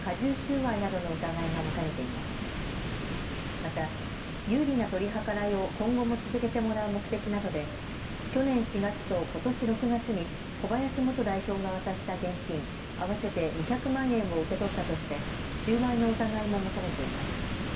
また有利な取り計らいを今後も続けてもらう目的などで去年４月とことし６月に小林元代表が渡した現金合わせて２００万円を受け取ったとして収賄の疑いも持たれています。